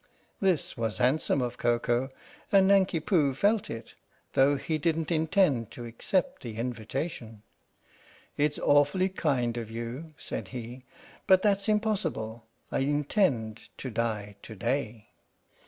This was handsome of Koko and Nanki Poo felt it, though he didn't intend to accept the invitation. " It's awfully kind of you/' said he, " but that's impossible. I intend to die to day."